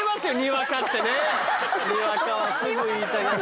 にわかはすぐ言いたがる。